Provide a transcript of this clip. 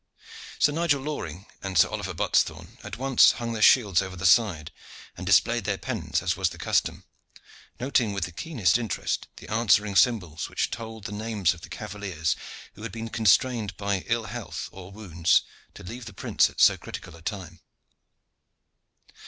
Sir Nigel Loring and Sir Oliver Buttesthorn at once hung their shields over the side, and displayed their pennons as was the custom, noting with the keenest interest the answering symbols which told the names of the cavaliers who had been constrained by ill health or wounds to leave the prince at so critical a time.